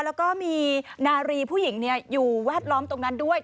แล้วก็มีนารีผู้หญิงอยู่แวดล้อมตรงนั้นด้วย